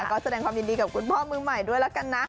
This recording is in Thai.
ก็แสดงความยินดีกับคุณพ่อมือใหม่ด้วยแล้วกันนะ